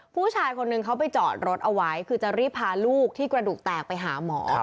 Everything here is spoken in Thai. ผู้ชายคนหนึ่งเขาไปจอดรถเอาไว้คือจะรีบพาลูกที่กระดูกแตกไปหาหมอ